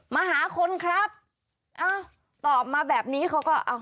มาหาคนครับตอบมาแบบนี้เขาก็